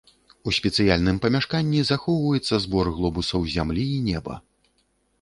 У спецыяльным памяшканні захоўваецца збор глобусаў зямлі і неба.